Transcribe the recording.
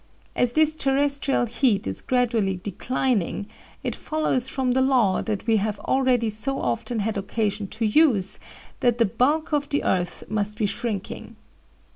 As this terrestrial heat is gradually declining, it follows from the law that we have already so often had occasion to use that the bulk of the earth must be shrinking.